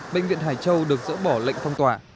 bệnh viện hải châu được dỡ bỏ lệnh phong tỏa